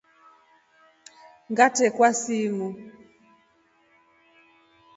Ngatrekwa simu.